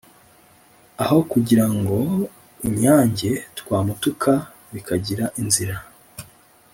aho kugirango unyange twamutuka bikagira inzira